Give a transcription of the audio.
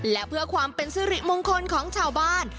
และเพื่อความเป็นสิริมงคลของชาวบ้าน